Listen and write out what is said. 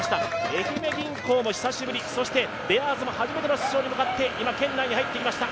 愛媛銀行も久しぶり、そしてベアーズも初めての出場に向かって、今、圏内に入っていきました